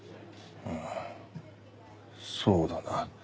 ああそうだな。